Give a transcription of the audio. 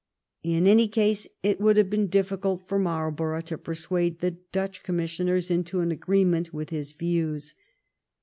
In any case it would have been dif&cult for Marlborough to persuade the Dutch commissioners into an agreement with his views.